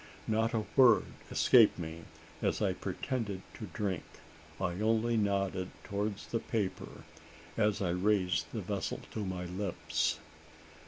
Not a word escaped me, as I pretended to drink. I only nodded towards the paper as I raised the vessel to my lips.